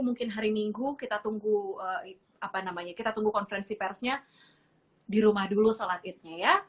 mungkin hari minggu kita tunggu konferensi persnya di rumah dulu sholat id nya ya